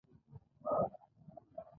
لیکلي یا ژباړلي اثار یې مهم دي.